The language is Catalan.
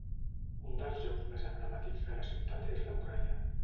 Un dels llocs més emblemàtics de la ciutat és la muralla.